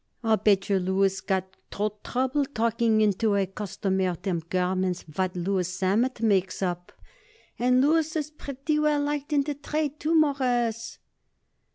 I bet yer Louis' got throat trouble, talking into a customer them garments what Leon Sammet makes up, and Louis' pretty well liked in the trade, too, Mawruss."